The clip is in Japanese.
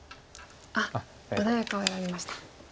あっ穏やかを選びました。